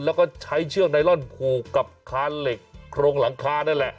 แล้วก็ใช้เชือกไนลอนผูกกับคานเหล็กโครงหลังคานั่นแหละ